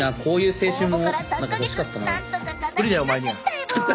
応募から３か月何とか形になってきたエボ！